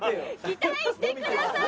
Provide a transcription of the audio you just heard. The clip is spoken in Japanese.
期待してくださいよ！